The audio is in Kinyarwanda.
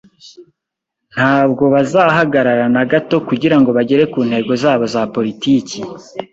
Ntabwo bazahagarara na gato kugirango bagere ku ntego zabo za politiki